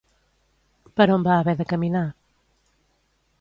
Per on va haver de caminar?